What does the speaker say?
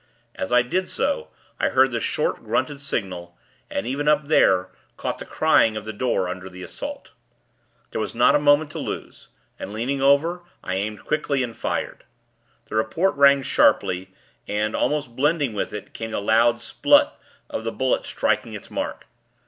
As I did so, I heard the short, grunted signal, and, even up there, caught the crying of the door under the assault. There was not a moment to lose, and, leaning over, I aimed, quickly, and fired. The report rang sharply, and, almost blending with it, came the loud splud of the bullet striking its mark.